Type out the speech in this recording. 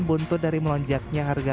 buntut dari melonjaknya harga